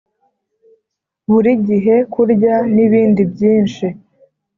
burigihe kurya, nibindi byinshi.